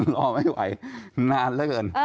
รอไม่ไหวนานแล้วเกิน